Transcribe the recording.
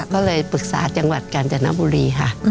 ก็เลยปรึกษาจังหวัดกาญจนบุรีค่ะ